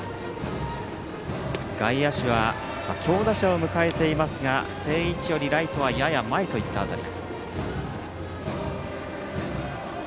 外野手は強打者を迎えていますが定位置よりライトはやや前といった辺り。